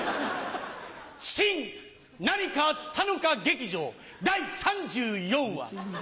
新何かあったのか劇場第３４話。